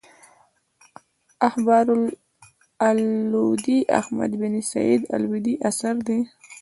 اخبار اللودي احمد بن سعيد الودي اثر دﺉ.